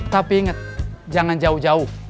tapi ingat jangan jauh jauh